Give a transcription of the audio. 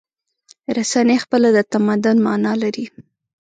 رسنۍ خپله د تمدن معنی لري.